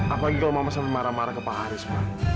apalagi kalau mama sama marah marah ke pak haris